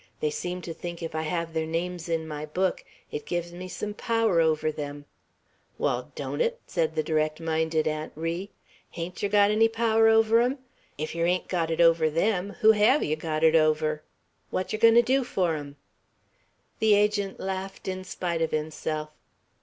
They seem to think if I have their names in my book, it gives me some power over them." "Wall, don't it?" said the direct minded Aunt Ri. "Hain't yer got any power over 'em? If yer hain't got it over them, who have yer got it over? What yer goin' to do for 'em?" The Agent laughed in spite of himself.